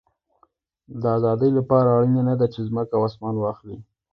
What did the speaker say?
د آزادۍ له پاره اړینه ده، چي مځکه او اسمان واخلې.